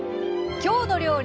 「きょうの料理」